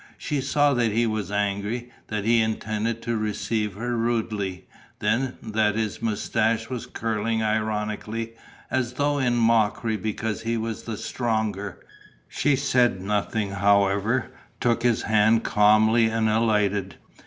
She saw that he was angry, that he intended to receive her rudely; then, that his moustache was curling ironically, as though in mockery because he was the stronger. She said nothing, however, took his hand calmly and alighted.